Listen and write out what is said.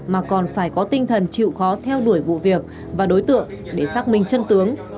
mà còn phải có tinh thần chịu khó theo đuổi vụ việc và đối tượng để xác minh chân tướng